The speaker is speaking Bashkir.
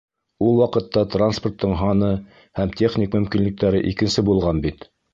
Ул ваҡытта транспорттың һаны һәм техник мөмкинлектәре икенсе булған бит!